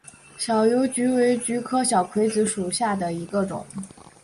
小油菊为菊科小葵子属下的一个种。